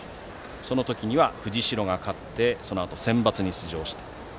その時には藤代が勝ってそのあと、センバツに出場した。